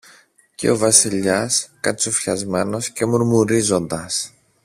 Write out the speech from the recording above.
Και ο Βασιλιάς, κατσουφιασμένος και μουρμουρίζοντας